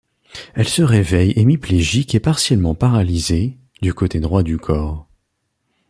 Elle se réveille hémiplégique et partiellement paralysée, du côté droit du corps.